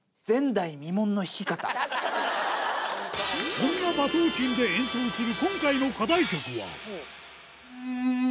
そんな馬頭琴で演奏する